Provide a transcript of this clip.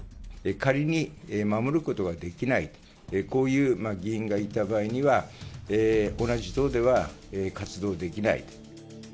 仮に守ることができない、こういう議員がいた場合には、同じ党では活動できない。